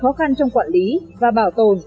khó khăn trong quản lý và bảo tồn